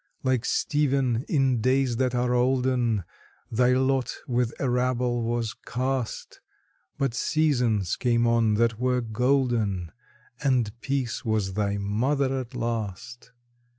Like Stephen in days that are olden, Thy lot with a rabble was cast, But seasons came on that were golden, And Peace was thy mother at last.